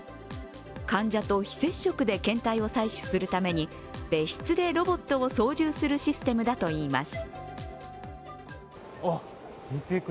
患者と非接触で検体を採取するために別室でロボットを操縦するシステムだといいます。